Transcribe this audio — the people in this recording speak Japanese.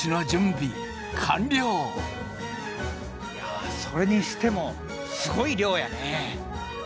いやそれにしてもすごい量やねえ。